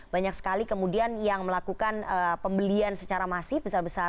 banyak sekali kemudian yang melakukan pembelian secara masif